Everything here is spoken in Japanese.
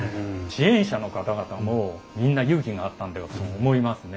支援者の方々もみんな勇気があったんだと思いますね。